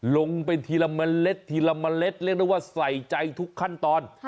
ลงไปทีละเมล็ดทีละเมล็ดเรียกได้ว่าใส่ใจทุกขั้นตอน